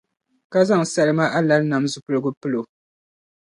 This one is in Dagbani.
ka zaŋ salima alali nam zuɣupiligu pili o.